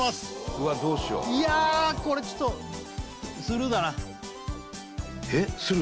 うわっどうしよういやこれちょっとスルーだなえっスルー？